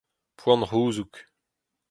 poan-c'houzoug